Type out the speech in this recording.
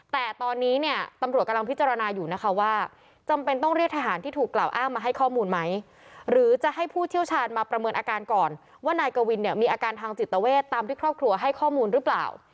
แต่ตอนนี้เนี่ยตำรวจกำลังพิจารณาอยู่นะคะว่าจำเป็นต้องเรียกทหารที่ถูกกล่าวอ้างมาให้ข้อมูลไหมหรือจะให้ผู้เชี่ยวชาญมาประเมินอาการก่อนว่านายกวินเนี่ยมีอาการทางจิตเวทตามที่ครอบครัวให้ข้อมูลหรือเปล่า